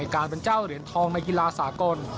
การเป็นเจ้าเหรียญทองในกีฬาสากล